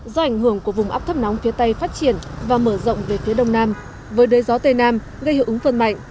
do ảnh hưởng của vùng áp thấp nóng phía tây phát triển và mở rộng về phía đông nam với đới gió tây nam gây hiệu ứng phân mạnh